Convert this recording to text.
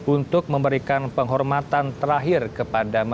untuk memberikan penghormatan terakhir kepada mendiah ratu